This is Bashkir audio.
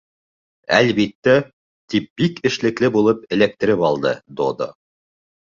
—Әлбиттә, —тип бик эшлекле булып эләктереп алды Додо.